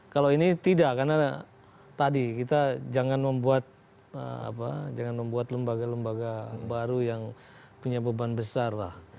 kalau ini tidak karena tadi kita jangan membuat jangan membuat lembaga lembaga baru yang punya beban besar lah